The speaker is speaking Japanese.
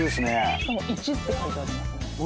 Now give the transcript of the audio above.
しかも１って書いてありますね。